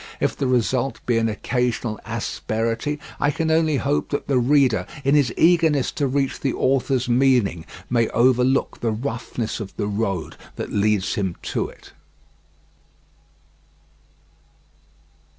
If the result be an occasional asperity I can only hope that the reader, in his eagerness to reach the author's meaning, may overlook the roughness of the road that leads him to it.